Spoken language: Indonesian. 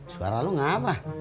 suara lu ngapah